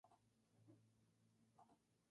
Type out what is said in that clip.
Se ha descrito a sí misma como no religiosa.